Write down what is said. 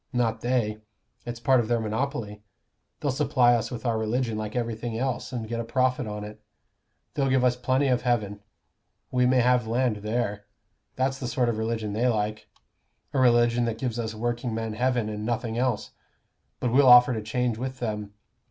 Not they. It's part of their monopoly. They'll supply us with our religion like everything else, and get a profit on it. They'll give us plenty of heaven. We may have land there. That's the sort of religion they like a religion that gives us workingmen heaven, and nothing else. But we'll offer to change with them.